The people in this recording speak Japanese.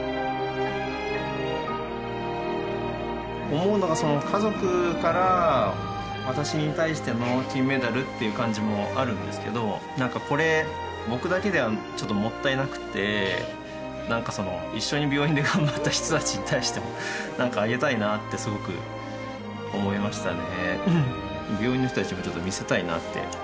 思うのが家族から私に対しての金メダルっていう感じもあるんですけど何かこれ僕だけではちょっともったいなくって何か一緒に病院で頑張った人たちに対しても何かあげたいなってすごく思いましたね。